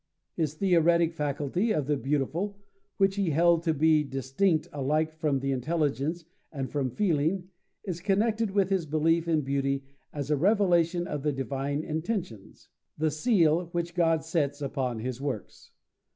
His theoretic faculty of the beautiful, which he held to be distinct alike from the intelligence and from feeling, is connected with his belief in beauty as a revelation of the divine intentions, "the seal which God sets upon his works."